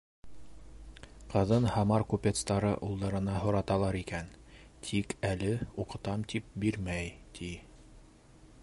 Ҡыҙын Һамар купецтары улдарына һораталар икән, тик әле, уҡытам тип, бирмәй, ти.